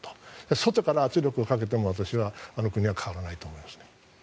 外から圧力をかけても変わらないと思います。